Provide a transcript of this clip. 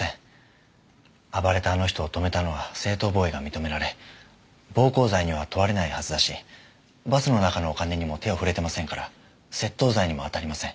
暴れたあの人を止めたのは正当防衛が認められ暴行罪には問われないはずだしバスの中のお金にも手を触れてませんから窃盗罪にも当たりません。